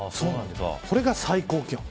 これが最高気温。